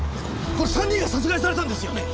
この３人が殺害されたんですよ。